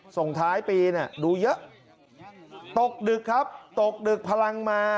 ส่งท้ายปีดูเยอะตกดึกครับตกดึกพลังมา